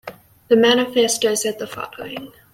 The manifesto said the following.